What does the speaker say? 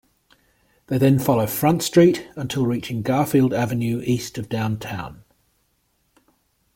They then follow Front Street until reaching Garfield Avenue east of downtown.